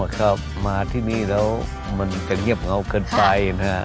ครับมาที่นี่แล้วมันจะเงียบเหงาเกินไปนะครับ